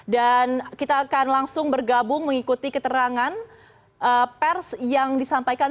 dan kita akan langsung bergabung mengikuti keterangan pers yang disampaikan